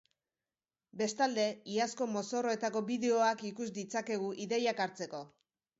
Bestalde, iazko mozorroetako bideoak ikus ditzakegu ideiak hartzeko.